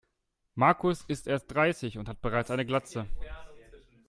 Markus ist erst dreißig und hat bereits eine Glatze.